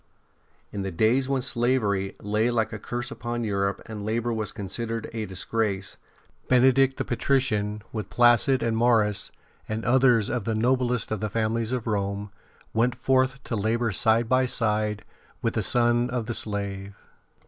In the days when slavery lay like a curse upon Europe and labour was con sidered a disgrace, Benedict the patrician, with Placid and Maurus and others of the noblest of the families of Rome, w^ent forth to labour side by side with the son of the slave.